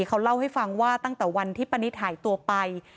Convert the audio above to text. เขาเล่าให้ฟังว่าตั้งแต่วันที่ป้านิตหายตัวไป